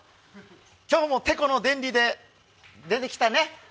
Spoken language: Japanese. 今日もてこの原理で出てきたね。